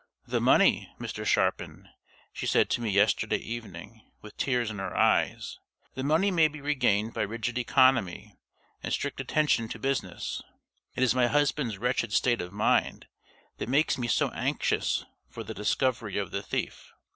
"The money, Mr. Sharpin," she said to me yesterday evening, with tears in her eyes, "the money may be regained by rigid economy and strict attention to business. It is my husband's wretched state of mind that makes me so anxious for the discovery of the thief.